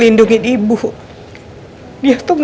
dia tuh orangnya perhatian banget